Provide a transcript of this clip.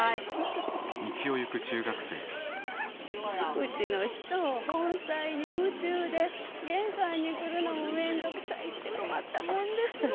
うちの人盆栽に夢中で玄関に来るのも面倒くさいって困ったもんです。